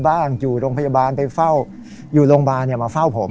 อยู่โรงพยาบาลไปเฝ้าอยู่โรงพยาบาลมาเฝ้าผม